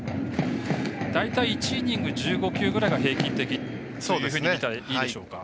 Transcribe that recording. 大体１イニング１５球ぐらいが平均的だと見たらいいでしょうか。